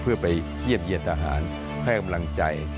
เพื่อไปเยี่ยมเยี่ยมทหารให้กำลังใจ